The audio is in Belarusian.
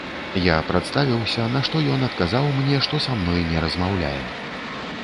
Я прадставіўся, на што ён адказаў мне, што са мной не размаўляе.